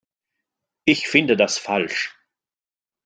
Ich finde das falsch.